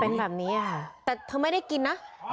เป็นแบบนี้ค่ะแต่เธอไม่ได้กินนะ